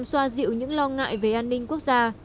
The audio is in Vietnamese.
xoa dịu những lo ngại về an ninh quốc gia